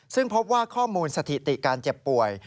ซึ่งพบว่าข้อมูลสถิติการเจ็บป่วย